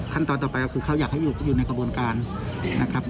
ขั้นตอนต่อไปก็คือเขาอยากให้อยู่อยู่ในกระบวนการนะครับ